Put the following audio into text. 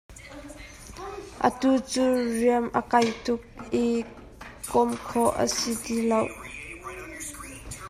Atu cu ruam a kai tuk i komh khawh a si ti lo.